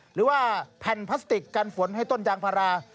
หรือว่าแผ่นพลาสติกกันฝนให้ต้นยางพารา